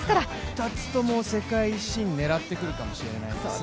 ２つとも世界新狙ってくるかもしれないですね。